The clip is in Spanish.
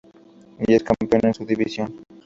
Y es campeón en su división.